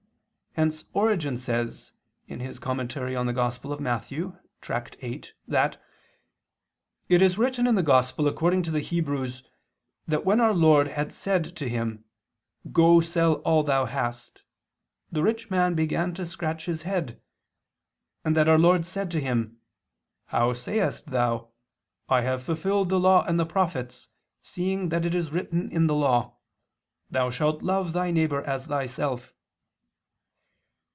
Hence Origen says (Tract. viii super Matth.) that "it is written in the Gospel according to the Hebrews that when our Lord had said to him: 'Go, sell all thou hast,' the rich man began to scratch his head; and that our Lord said to him: How sayest thou: I have fulfilled the law and the prophets, seeing that it is written in the law: Thou shalt love thy neighbor as thyself?